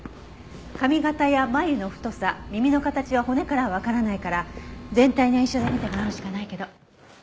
髪形や眉の太さ耳の形は骨からはわからないから全体の印象で見てもらうしかないけど。